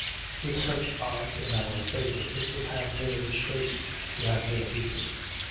With such odds in our favor it would have been a disgrace to have been beaten.